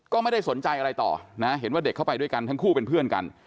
ก็ไม่ได้สนใจอะไรต่อนะเห็นว่าเด็กเข้าไปด้วยกันทั้งคู่เป็นเพื่อนกัน